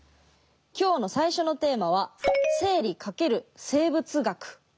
今日の最初のテーマは「生理×生物学」。